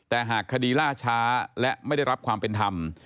แต่หากคดีล่าช้าและไม่ได้รับความเป็นธรรม